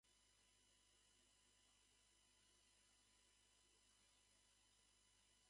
電線の上にたくさんの鳥がいる。